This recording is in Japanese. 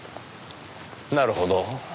なるほど。